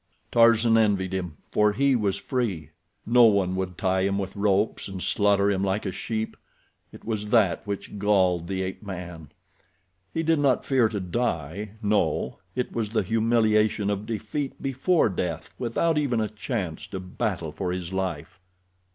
Tarzan envied him, for he was free. No one would tie him with ropes and slaughter him like a sheep. It was that which galled the ape man. He did not fear to die, no—it was the humiliation of defeat before death, without even a chance to battle for his life.